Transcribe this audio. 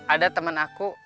ada temen aku